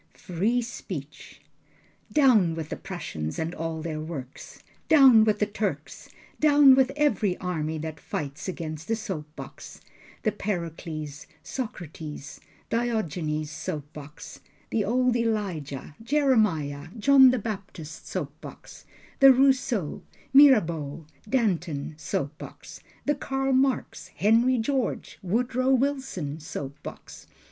Free speech! Down with the Prussians, and all their works. Down with the Turks. Down with every army that fights against the soap box, The Pericles, Socrates, Diogenes soap box, The old Elijah, Jeremiah, John the Baptist soap box, The Rousseau, Mirabeau, Danton soap box, The Karl Marx, Henry George, Woodrow Wilson soap box.